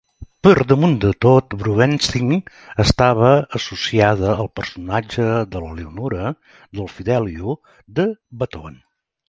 Per damunt de tot, Brouwenstijn estava associada al personatge de la Leonora del "Fidelio" de Beethoven.